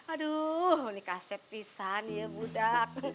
aduh ini kasep pisang ya budak